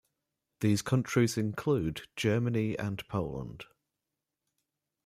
These countries include Germany and Poland.